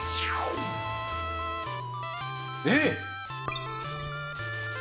えっ！？